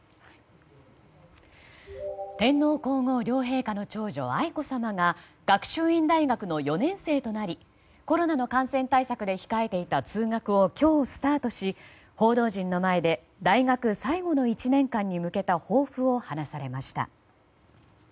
天皇・皇后両陛下の長女愛子さまが学習院大学の４年生となりコロナの感染対策で控えていた通学を今日スタートし、報道陣の前で大学最後の１年間に向けた抱負を話されました。